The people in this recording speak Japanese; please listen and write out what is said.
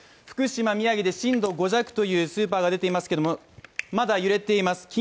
福島、宮城で震度５弱というスーパーが出ていますけどまた揺れています。